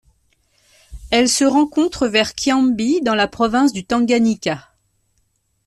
Elle se rencontre vers Kiambi dans la province du Tanganyika.